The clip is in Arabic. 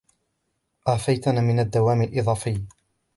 اعفيتها من الدوام الاضافي.